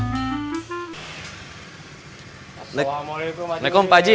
assalamualaikum pak haji